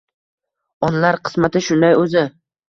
Onalar qismati shunday, o`zi